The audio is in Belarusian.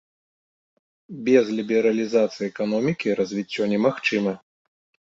Без лібералізацыі эканомікі развіццё немагчыма.